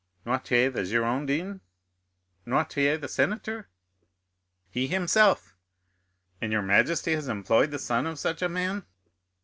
"Noirtier the Girondin?—Noirtier the senator?" "He himself." "And your majesty has employed the son of such a man?"